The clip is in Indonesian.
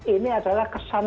ini adalah kesan